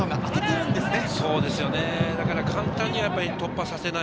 簡単には突破させない。